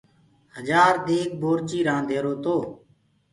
هجآر ديگ بورچي رآند هيرو تو